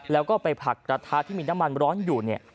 แล้วก็ไปผักกระทะที่มีน้ำมันร้อนอยู่เนี่ย